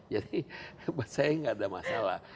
jadi buat saya gak ada masalah